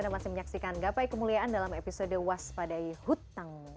anda masih menyaksikan gapai kemuliaan dalam episode waspadai hutang